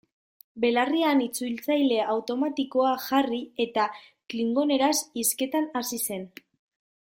Belarrian itzultzaile automatikoa jarri eta klingoneraz hizketan hasi zen.